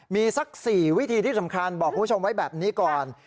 มีสัก๔วิธีที่สำคัญบอกคุณผู้ชมไว้แบบนี้ก่อน